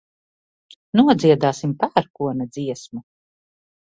Nodziedāsim pērkona dziesmu.